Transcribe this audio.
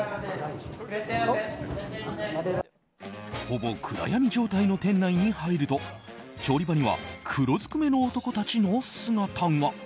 ほぼ暗闇状態の店内に入ると調理場には黒ずくめの男たちの姿が。